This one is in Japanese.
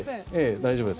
大丈夫です。